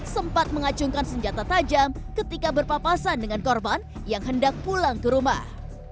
sempat mengacungkan senjata tajam ketika berpapasan dengan korban yang hendak pulang ke rumah